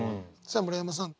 さあ村山さん。